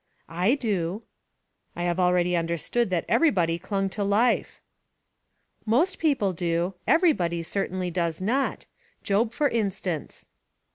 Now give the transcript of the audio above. "I do." "I have already understood that everybody clung to life." "Most people do; everybody certainly does not: Job, for instance."